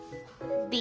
Ｂ。